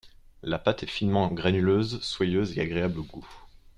La pâte est finement granuleuse, soyeuse et agréable au goût.